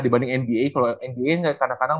dibanding nba kalau nba kadang kadang